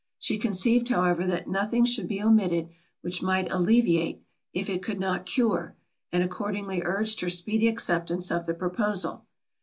She conceived however that nothing should be omitted, which might alleviate, if it could not cure; and accordingly urged her speedy acceptance of the proposal.